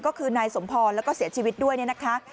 ก็คือนายสมพรแล้วก็เสียชีวิตด้วยเนี่ยนะคะ